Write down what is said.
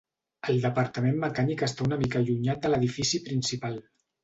El departament mecànic està una mica allunyat de l'edifici principal.